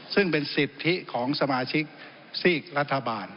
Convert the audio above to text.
ซึ่งเป็นสิทธิของสมาชิกภักษ์ฝ่ายรัฐบาล